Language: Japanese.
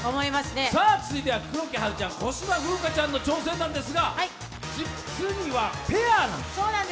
続いては黒木華ちゃん、小芝風花ちゃんの挑戦なんですが、次はペアなんです。